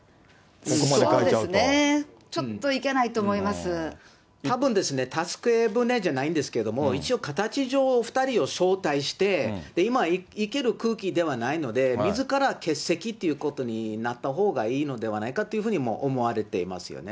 そうですね、たぶんですね、助け舟じゃないんですけど、一応形上、２人を招待して、今行ける空気ではないので、みずから欠席っていうことになったほうがいいのではないかというふうにも思われていますよね。